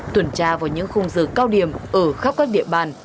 tuần tra vào những khung giờ cao điểm ở khắp các địa bàn